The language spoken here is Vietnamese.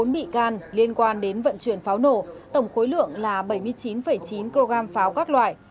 bốn bị can liên quan đến vận chuyển pháo nổ tổng khối lượng là bảy mươi chín chín kg pháo các loại